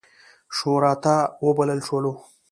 شوراته وبلل شولو.